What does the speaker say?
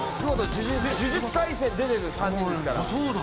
『呪術廻戦』に出てる３人ですから。